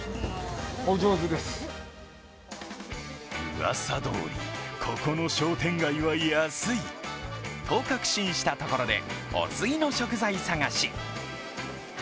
うわさどおり、ここの商店街は安いと確信したところでお次の食材探し。